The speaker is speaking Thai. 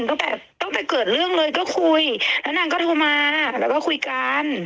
ตั้งแต่ตั้งแต่เกิดเรื่องเลยก็คุยแล้วนางก็โทรมาแล้วก็คุยกัน